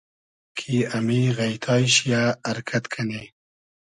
کی امی غݷتای شی یۂ ارکئد کئنی